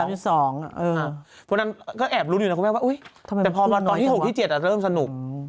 อ๋อ๓๒เออพวกนั้นก็แอบรู้อยู่นะคุณแม่ว่าอุ๊ยแต่พอตอนที่๖ที่๗อ่ะเริ่มสนุก